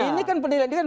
ini kan penilaian